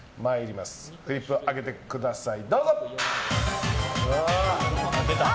フリップ、上げてください！